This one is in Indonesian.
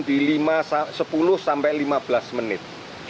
di lima sepuluh sampai lima belas menit